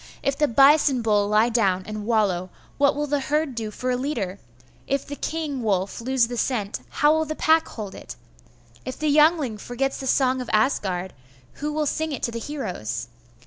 If the bison bull lie down and wallow, what will the herd do for a leader? If the king wolf lose the scent, how will the pack hold it? If the Yngling forgets the song of Asgard, who will sing it to the heroes?